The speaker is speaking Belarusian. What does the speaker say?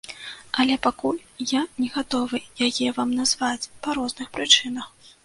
Але пакуль я не гатовы яе вам назваць па розных прычынах.